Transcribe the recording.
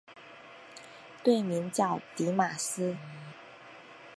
队名叫狄玛斯。